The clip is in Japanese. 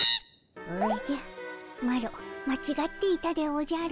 おじゃマロまちがっていたでおじゃる。